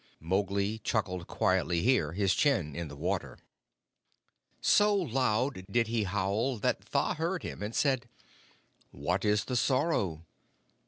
Mowgli chuckled quietly here, his chin in the water. "So loud did he howl that Tha heard him and said, 'What is the sorrow?'